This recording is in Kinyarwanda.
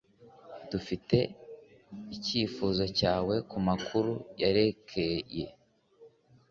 Dufite icyifuzo cyawe kumakuru yerekeye